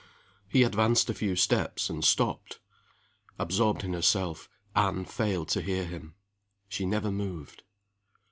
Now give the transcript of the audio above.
He advanced a few steps, and stopped. Absorbed in herself, Anne failed to hear him. She never moved.